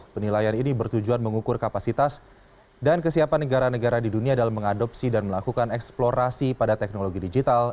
penilaian ini bertujuan mengukur kapasitas dan kesiapan negara negara di dunia dalam mengadopsi dan melakukan eksplorasi pada teknologi digital